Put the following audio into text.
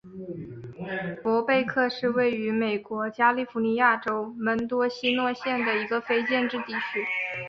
伯贝克是位于美国加利福尼亚州门多西诺县的一个非建制地区。